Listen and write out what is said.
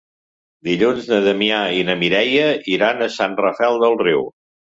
Dilluns na Damià i na Mireia iran a Sant Rafel del Riu.